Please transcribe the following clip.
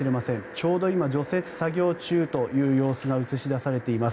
ちょうど今、除雪作業中という様子が映し出されています。